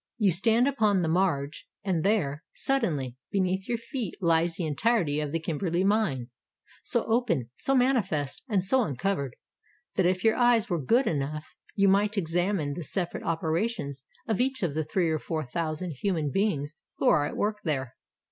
You stand upon the marge and there, suddenly, be neath your feet lies the entirety of the Kimberley mine, so open, so manifest, and so uncovered that if your eyes were good enough you might examine the separate oper ations of each of the three or four thousand human beings who are at work there.